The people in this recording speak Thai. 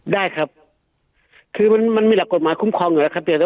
ได้ครับคือมันมีหลักกฎหมายคุ้มครองอยู่แล้วครับ